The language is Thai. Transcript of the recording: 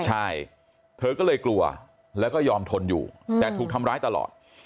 ใช่เธอก็เลยกลัวแล้วก็ยอมทนอยู่แต่ถูกทำร้ายตลอด